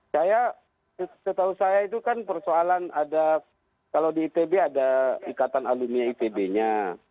saya setahu saya itu kan persoalan ada kalau di itb ada ikatan alumni itb nya